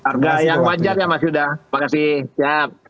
harga yang wajar ya mas yuda terima kasih